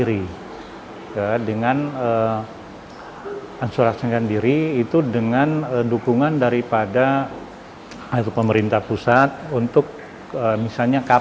masih disarankan kepada nelayan untuk bisa mengasuransikan diri dengan dukungan dari pemerintah pusat untuk kapal di bawah sepuluh gros ton asing